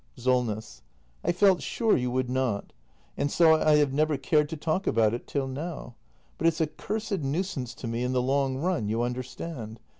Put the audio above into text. SOLNESS. I felt sure you would not; and so I have never cared to talk about it till now. — But it's a cursed nuisance to me in the long run, you understand.